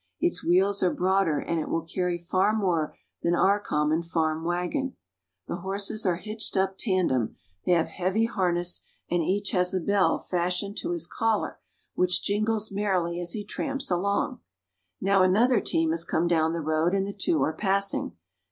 Its wheels are broader and it will carry far more than our com mon farm wagon. The horses are hitched up tandem ; they have heavy harness, and each has a bell fastened to his collar, which jingles merrily as he tramps along. Now another team has come down the road, and the two are passing.